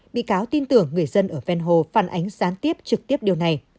bị cáo tin tưởng người dân ở venho phản ánh gián tiếp trực tiếp điều này